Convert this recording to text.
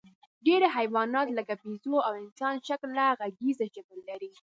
ډېری حیوانات، لکه بیزو او انسانشکله غږیزه ژبه لري.